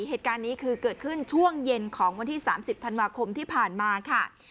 เหตุการณ์นี้คือเกิดขึ้นช่วงเย็นของวันที่๓๐ธันวาคมที่ผ่านมาค่ะ